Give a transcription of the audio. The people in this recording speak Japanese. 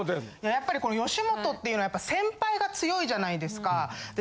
やっぱりこの吉本っていうのは先輩が強いじゃないですか。